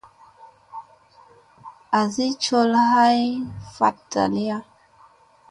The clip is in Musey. Asi col ay faɗta dalira.